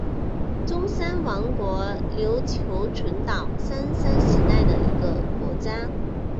中山王国琉球群岛三山时代的一个国家。